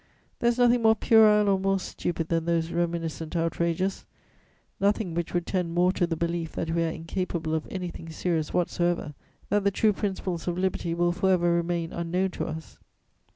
There is nothing more puerile or more stupid than those reminiscent outrages; nothing which would tend more to the belief that we are incapable of anything serious whatsoever, that the true principles of liberty will for ever remain unknown to us.